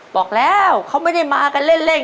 บอกแล้วเขาไม่ได้มากันเล่น